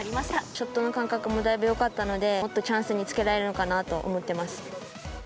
ショットの感覚もだいぶよかったので、もっとチャンスにつけられるのかなと思ってます。